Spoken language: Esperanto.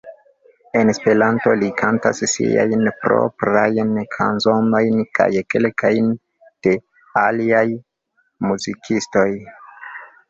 En Esperanto li kantas siajn proprajn kanzonojn kaj kelkajn de aliaj muzikistoj.